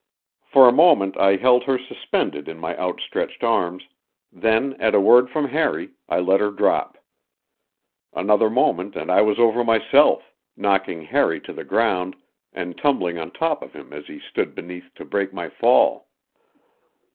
For a moment I held her suspended in my outstretched arms; then, at a word from Harry, I let her drop. Another moment and I was over myself, knocking Harry to the ground and tumbling on top of him as he stood beneath to break my fall.